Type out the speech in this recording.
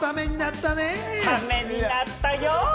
ためになったよ。